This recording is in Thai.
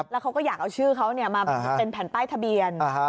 แล้วเขาก็อยากเอาชื่อเขามาเป็นแผ่นป้ายทะเบียน